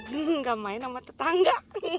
gak main sama tetangga